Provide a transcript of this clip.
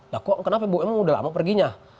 ya kok kenapa bu emang udah lama perginya